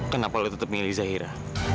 kenapa kamu tetap memilih zahira